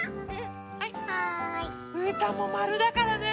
うーたんもまるだからね。